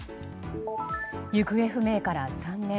行方不明から３年。